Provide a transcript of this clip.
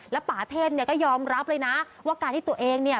แล้วป่าเทพเนี่ยก็ยอมรับเลยนะว่าการที่ตัวเองเนี่ย